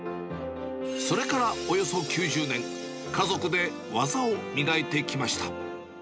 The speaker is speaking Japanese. それからおよそ９０年、家族で技を磨いてきました。